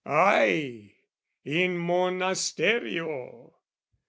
Ay, In monasterio!